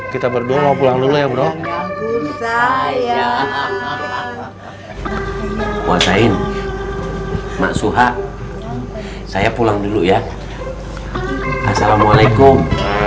kita berdua mau pulang dulu ya bro saya puasain mak suha saya pulang dulu ya assalamualaikum